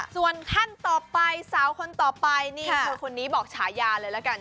ส่วนขั้นต่อไปสาวคนต่อไปนี่เธอคนนี้บอกฉายาเลยละกัน